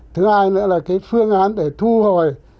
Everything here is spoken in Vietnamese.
thứ hai nữa là cái phương án để thu hồi